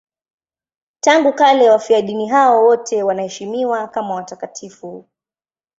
Tangu kale wafiadini hao wote wanaheshimiwa kama watakatifu.